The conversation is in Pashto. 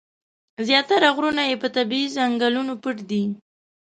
زیاتره غرونه یې په طبیعي ځنګلونو پټ دي.